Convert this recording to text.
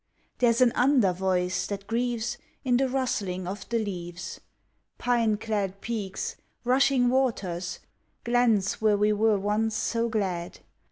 There's an under voice that grieves In the rustling of the leaves. Pine clad peaks! Rushing waters! Glens where we were once so glad!